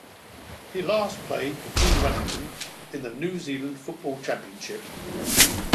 He last played for Team Wellington in the New Zealand Football Championship.